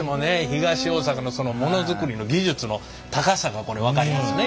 東大阪のモノづくりの技術の高さがこれ分かりますね。